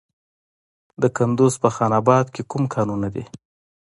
د کندز په خان اباد کې کوم کانونه دي؟